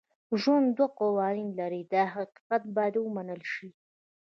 ژوند دوه قوانین لري دا حقیقت باید ومنل شي.